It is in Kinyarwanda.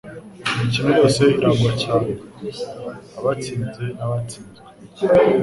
Imikino yose irangwa cyane. Abatsinze n'abatsinzwe.